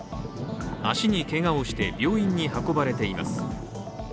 足にけがをして病院に運ばれています。